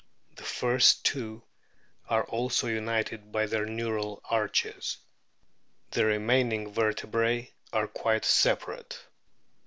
The first two are also united by their neural arches. The remaining vertebrae are quite separate.